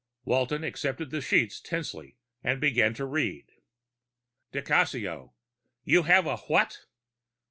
Walton accepted the sheets tensely and began to read: Di Cassio: _You have a what?